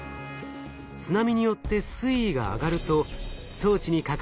津波によって水位が上がると装置にかかる圧力が増します。